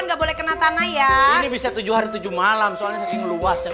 enggak boleh kena tanah ya ini bisa tujuh hari tujuh malam soalnya saya kini luas luas sekali